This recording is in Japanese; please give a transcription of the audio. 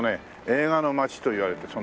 映画の街といわれて。